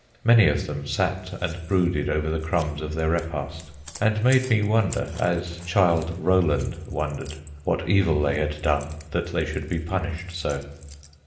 Many of them sat and brooded over the crumbs of their repast, and made me wonder, as Childe Roland wondered, what evil they had done that they should be punished so.